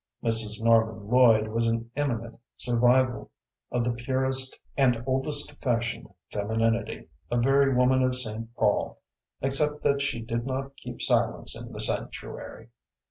Mrs. Norman Lloyd was an eminent survival of the purest and oldest fashioned femininity, a very woman of St. Paul, except that she did not keep silence in the sanctuary.